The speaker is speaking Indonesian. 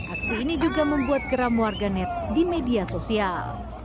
aksi ini juga membuat geram warga net di media sosial